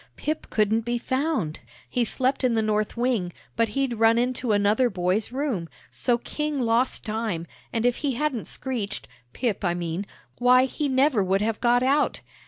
"Pip couldn't be found. He slept in the north wing, but he'd run into another boy's room, so King lost time, and if he hadn't screeched, Pip, I mean, why, he never would have got out.